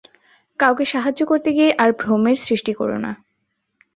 কাউকে সাহায্য করতে গিয়ে আর ভ্রমের সৃষ্টি কর না।